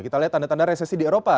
kita lihat tanda tanda resesi di eropa